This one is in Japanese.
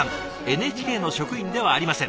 ＮＨＫの職員ではありません。